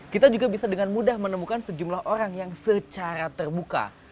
kita juga bisa dengan mudah menemukan sejumlah orang yang secara terbuka